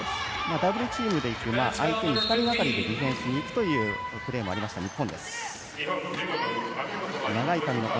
ダブルチームでいく相手に２人がかりでディフェンスにというプレーもありました、日本。